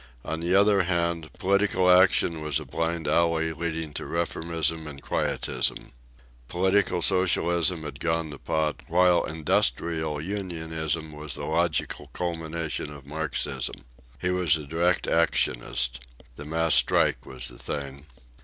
On the other hand, political action was a blind alley leading to reformism and quietism. Political socialism had gone to pot, while industrial unionism was the logical culmination of Marxism. He was a direct actionist. The mass strike was the thing.